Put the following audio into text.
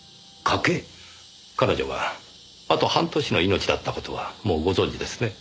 彼女があと半年の命だった事はもうご存じですね？